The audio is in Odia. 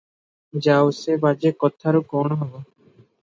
ଯାଉ, ସେ ବାଜେ କଥାରୁ କ'ଣ ହେବ?